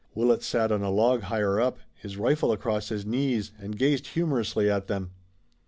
Willet sat on a log higher up, his rifle across his knees and gazed humorously at them.